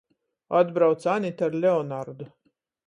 Atbrauc Anita ar Leonardu.